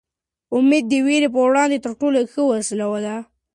امېد د وېرې په وړاندې تر ټولو ښه وسله ده.